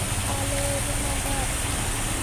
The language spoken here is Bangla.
আলো এবং আঁধার।